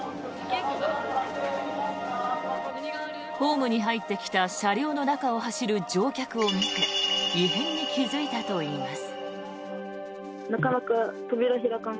ホームに入ってきた車両の中を走る乗客を見て異変に気付いたといいます。